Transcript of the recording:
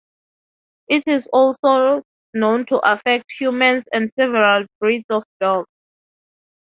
It is known to affect humans and several breeds of dogs.